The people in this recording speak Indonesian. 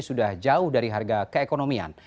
sudah jauh dari harga keekonomian